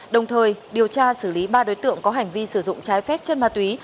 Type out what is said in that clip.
đồng thời điều tra xử lý ba đối tượng có hành vi sử dụng trái phép chân ma túy